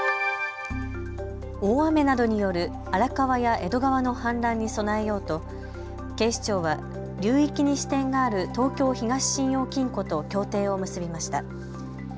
大雨などによる荒川や江戸川の氾濫に備えようと警視庁は流域に支店がある東京東信用金庫と協定を結びました。